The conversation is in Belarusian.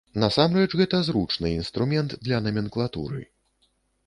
Насамрэч, гэта зручны інструмент для наменклатуры.